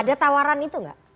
ada tawaran itu gak